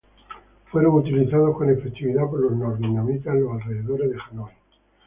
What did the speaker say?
Fueron utilizados con efectividad por los norvietnamitas en los alrededores de Hanói.